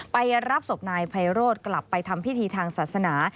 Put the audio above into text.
ไปรับศพนายไพโรธกลับไปทำพิธีทางศาสนา